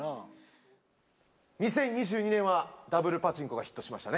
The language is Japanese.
２０２２年はダブルパチンコがヒットしましたね。